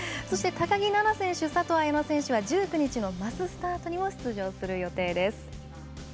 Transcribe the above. そして高木菜那選手、佐藤綾乃選手は１９日のマススタートにも出場する予定です。